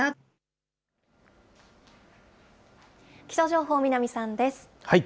気象情報、南さんです。